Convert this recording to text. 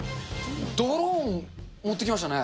ドローン持ってきましたね。